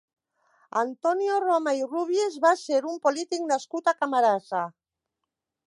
Antonio Roma i Rubies va ser un polític nascut a Camarasa.